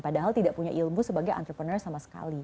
padahal tidak punya ilmu sebagai entrepreneur sama sekali